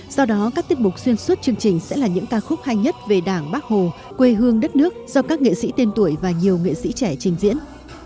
do đó các tiết mục xuyên suốt chương trình sẽ là những ca khúc hay nhất về đảng bác hồ quê hương đất nước do các nghệ sĩ tên tuổi và nhiều nghệ sĩ trẻ trình diễn